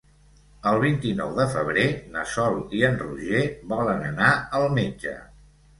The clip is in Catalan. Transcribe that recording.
El vint-i-nou de febrer na Sol i en Roger volen anar al metge.